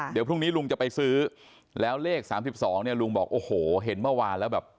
เดี๋ยวพรุ่งนี้ลุงจะไปซื้อแล้วเลข๓๒เนี่ยลุงบอกโอ้โหเห็นเมื่อวานแล้วแบบ